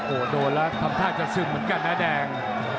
โอ้โหโดนแล้วทำท่าจะซึมเหมือนกันนะแดง